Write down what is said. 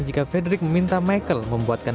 jika frederick meminta michael membuatkan